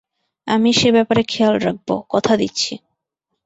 আমি সে ব্যাপারে খেয়াল রাখবো, কথা দিচ্ছি।